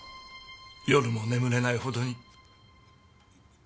夜も眠れないほどに。